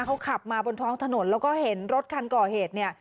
เขาขับมาบนท้องถนนแล้วก็เห็นรถคันก่อเหตุเนี่ย